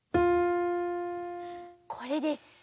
これです。